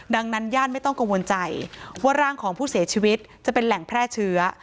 ดังนั้นญาติไม่ต้องกังวลใจว่าร่างของผู้เสียชีวิตจะเป็นแหล่งแพร่เชื้อ